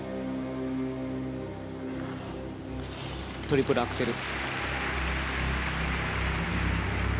トリプルアクセル。